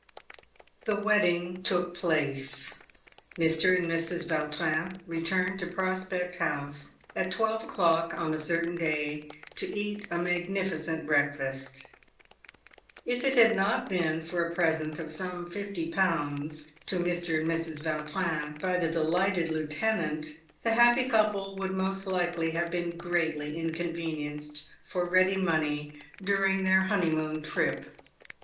The wedding took place. Mr. and Mrs. Yautrin returned to Prospect House at twelve o'clock on a certain day to eat a magnifi cent breakfast. If it had not been for a present of some fifty pounds to Mr. and Mrs. Vautrin by the delighted lieutenant, the happy couple would most likely have been greatly inconvenienced for ready money during their honeymoon trip.